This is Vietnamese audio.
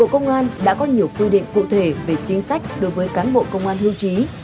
công an đã có nhiều quy định cụ thể về chính sách đối với cán bộ công an hưu trí